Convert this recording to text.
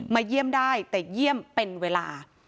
เยี่ยมได้แต่เยี่ยมเป็นเวลา